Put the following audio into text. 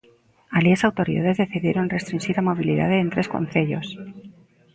Alí as autoridades decidiron restrinxir a mobilidade en tres concellos.